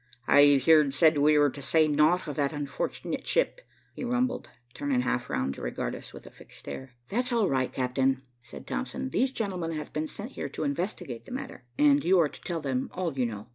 "I've heer'd said we were to say naught of that unfort'nit ship," he rumbled, turning half round to regard us with a fixed stare. "That's all right, Cap'n," said Thompson. "These gentlemen have been sent here to investigate the matter, and you are to tell them all you know."